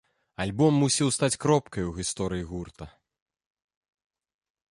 Альбом мусіў стаць кропкай у гісторыі гурта.